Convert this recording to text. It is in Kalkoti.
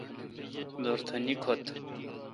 دورتھ نیکھوتہ